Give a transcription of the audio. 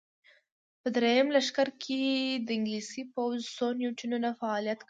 په درېیم لښکر کې د انګلیسي پوځ څو یونیټونو فعالیت کاوه.